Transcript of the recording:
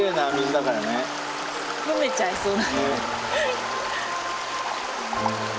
飲めちゃいそうな。